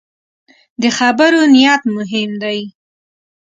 د خبرو نیت مهم دی